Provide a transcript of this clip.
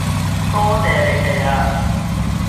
多謝你哋呀